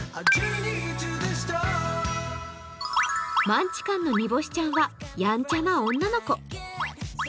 マンチカンのにぼしちゃんは、やんちゃな女の子。